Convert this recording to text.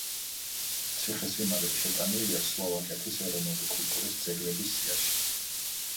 ციხესიმაგრე შეტანილია სლოვაკეთის ეროვნული კულტურის ძეგლების სიაში.